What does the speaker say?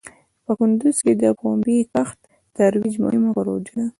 په کندوز کې د پومبې کښت ترویج مهم پروژه وه.